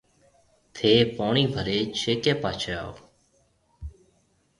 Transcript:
ٿَي پوڻِي ڀري ڇيڪي پاڇهيَ آو